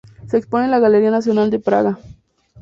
Se expone en la Galería Nacional de Praga.